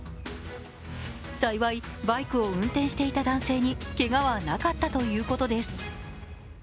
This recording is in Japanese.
幸い、バイクを運転していた男性にけがはなかったということです。